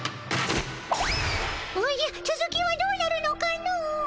おじゃつづきはどうなるのかの。